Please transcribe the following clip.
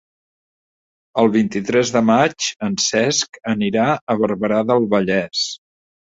El vint-i-tres de maig en Cesc anirà a Barberà del Vallès.